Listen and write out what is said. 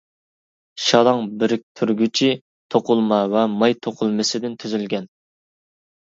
شالاڭ بىرىكتۈرگۈچى توقۇلما ۋە ماي توقۇلمىسىدىن تۈزۈلگەن.